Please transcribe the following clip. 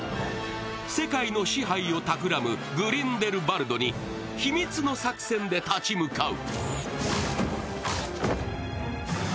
世界の支配を企むグリンデルバルドに秘密の作戦で立ち向かう。